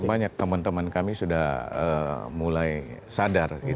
banyak teman teman kami sudah mulai sadar